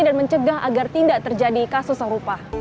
dan mencegah agar tidak terjadi kasus serupa